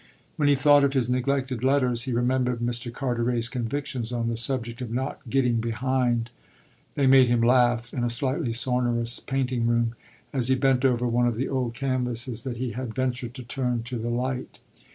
When he thought of his neglected letters he remembered Mr. Carteret's convictions on the subject of not "getting behind"; they made him laugh, in the slightly sonorous painting room, as he bent over one of the old canvases that he had ventured to turn to the light.